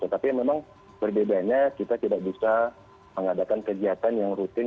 tetapi memang berbedanya kita tidak bisa mengadakan kegiatan yang rutin